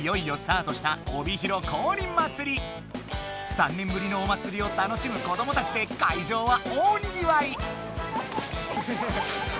３年ぶりのおまつりを楽しむ子どもたちで会場は大にぎわい！